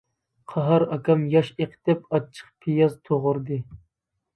قاھار ئاكام ياش ئېقىتىپ، ئاچچىق پىياز توغرىدى.